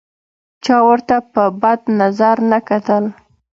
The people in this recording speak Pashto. چا ورته په بد نظر نه کتل.